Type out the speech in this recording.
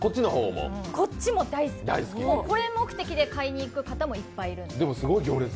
こっちも大好き、これ目的で買いに行く方もいっぱいいる。